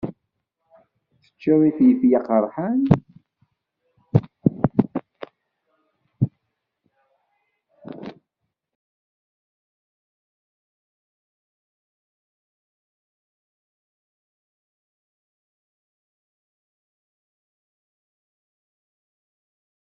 Ad ken-awiɣ yid-i.